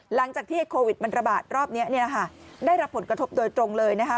หลังจากที่โควิดมันระบาดรอบนี้เนี่ยค่ะได้รับผลกระทบโดยตรงเลยนะคะ